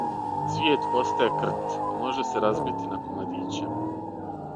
Цвијет постаје крт и може се разбити на комадиће.